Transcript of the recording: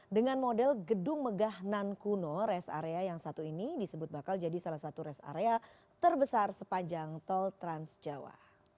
dengan model gedung megah nankuno res area yang satu ini disebut bakal jadi salah satu res area terbesar sepanjang tol transjawa